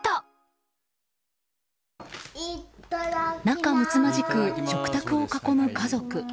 仲むつまじく食卓を囲む家族。